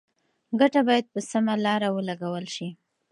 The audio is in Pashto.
ګټه باید په سمه لاره ولګول شي.